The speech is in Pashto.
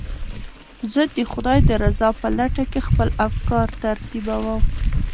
زه د خدای د رضا په لټه کې خپل افکار ترتیبوم.